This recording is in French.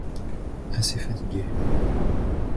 Assez fatigué.